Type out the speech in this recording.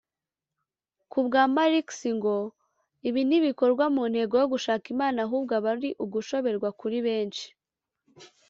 Ku bwa Marx ngo ibi ntibikorwa mu ntego yo gushaka Imana ahubwo aba ari ugushoberwa kuri benshi